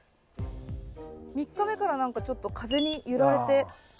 ３日目から何かちょっと風に揺られて。